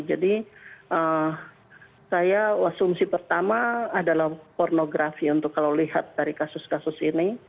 jadi saya asumsi pertama adalah pornografi untuk kalau lihat dari kasus kasus ini